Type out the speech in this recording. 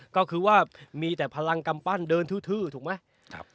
ก็คือว่ามีแต่พลังกำปั้นเดินทื้อถูกไหม